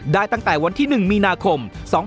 ตั้งแต่วันที่๑มีนาคม๒๕๖๒